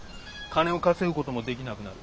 金を稼ぐこともできなくなる。